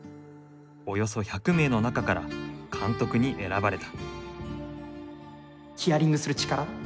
およそ１００名の中から監督に選ばれた。